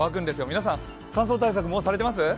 皆さん、乾燥対策、もうされてます？